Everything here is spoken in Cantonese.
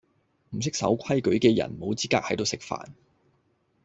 唔識守規矩既人無資格喺度食飯